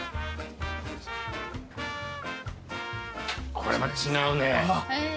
これまた違うね。